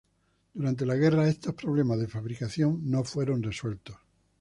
Durante la guerra, estos problemas de fabricación no fueron resueltos.